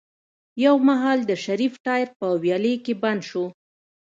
يو مهال د شريف ټاير په ويالې کې بند شو.